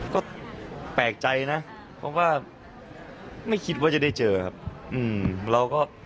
ก็แปลกใจนะเพราะว่าไม่คิดว่าจะได้เจอครับ